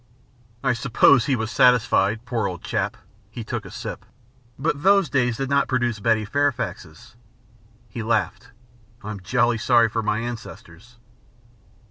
"I suppose he was satisfied, poor old chap." He took a sip. "But those days did not produce Betty Fairfaxes." He laughed. "I'm jolly sorry for my ancestors."